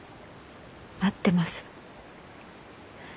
待ってます。